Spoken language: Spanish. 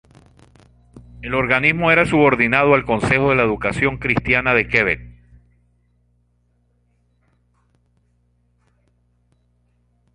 El organismo era subordinado al Consejo de la educación cristiana de Quebec.